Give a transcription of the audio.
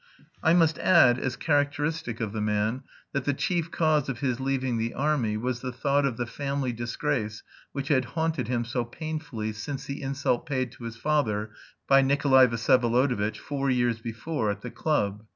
I must add, as characteristic of the man, that the chief cause of his leaving the army was the thought of the family disgrace which had haunted him so painfully since the insult paid to his father by Nikolay Vsyevolodovitch four years before at the club.